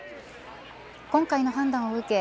今回の判断を受け